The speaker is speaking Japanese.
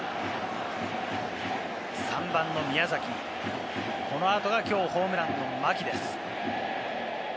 ３番の宮崎、このあとがきょうホームランの牧です。